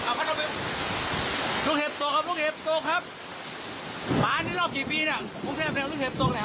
ลูกเห็บตกครับลูกเห็บตกครับ